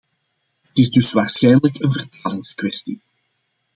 Het is dus waarschijnlijk een vertalingskwestie.